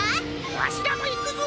わしらもいくぞ！